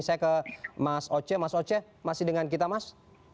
saya ke mas oce mas oce masih dengan kita mas